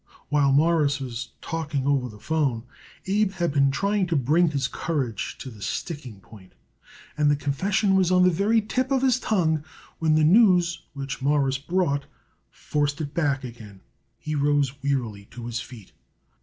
While Morris was talking over the 'phone Abe had been trying to bring his courage to the sticking point, and the confession was on the very tip of his tongue when the news which Morris brought forced it back again. He rose wearily to his feet.